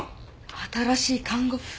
新しい看護婦。